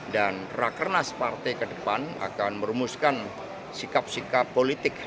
dan rakernas partai kedepan akan merumuskan sikap sikap politik